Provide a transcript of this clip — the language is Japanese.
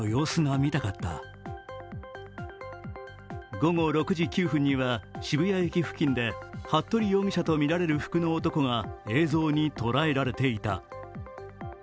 午後６時９分には渋谷駅付近で服部容疑者とみられる服の男が映像に捉えられていた。